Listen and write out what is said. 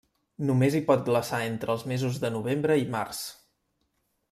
Només hi pot glaçar entre els mesos de novembre i març.